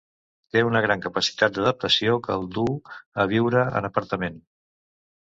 Té una gran capacitat d'adaptació que el duu a viure en apartament.